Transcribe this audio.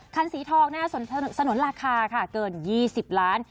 คันสีทองสนุนราคาค่ะเกิน๒๐ล้าน